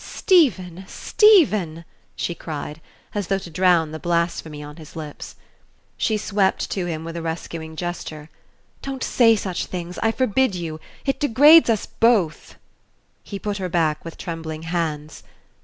"Stephen! Stephen!" she cried, as though to drown the blasphemy on his lips. She swept to him with a rescuing gesture. "Don't say such things. I forbid you! It degrades us both." He put her back with trembling hands.